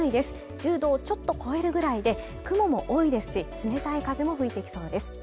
１０度ちょっと超えるぐらいで雲も多いですし冷たい風も吹いてきそうです